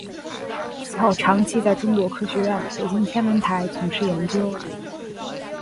此后长期在中国科学院北京天文台从事研究。